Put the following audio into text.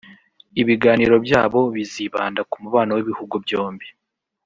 Ibiganiro byabo bizibanda ku mubano w’ibihugu byombi